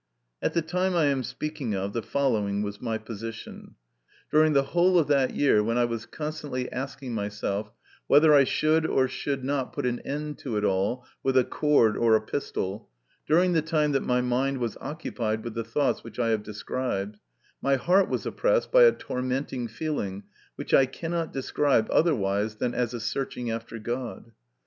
At the time I am speaking of, the following was my position. 108 MY CONFESSION. During the whole of that year, when I was constantly asking myself whether I should or should not put an end to it all with a cord or a pistol, during the time that my mind was occupied with the thoughts which I have described, my heart was oppressed by a tor menting feeling, which I cannot describe otherwise than as a searching after God.